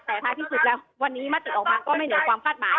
แต่ท้ายที่สุดแล้ววันนี้มติออกมาก็ไม่เหนือความคาดหมาย